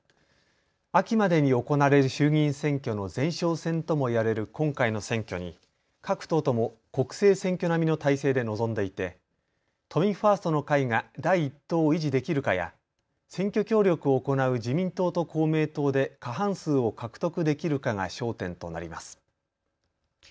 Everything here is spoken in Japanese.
秋までに行われる衆議院選挙の前哨戦とも言われる今回の選挙に各党とも国政選挙並みの態勢で臨んでいて都民ファーストの会が第１党を維持できるかや選挙協力を行う自民党と公明党で過半数を獲得できるかが焦点となります。